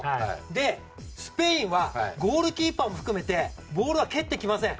で、スペインはゴールキーパーも含めてボールは蹴ってきません。